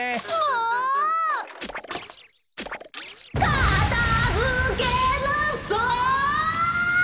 かたづけなさい！